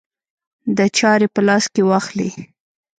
د چارې په لاس کې واخلي.